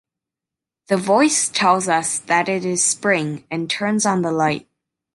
The voice tells us that it is spring and turns on the light.